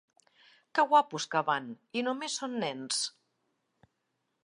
Que guapos que van, i només són nens.